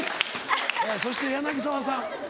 そして柳沢さん。